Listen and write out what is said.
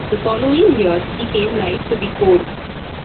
The following year he came right to the fore.